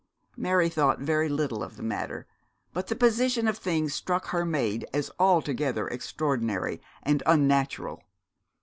Mary thought very little of the matter, but the position of things struck her maid as altogether extraordinary and unnatural.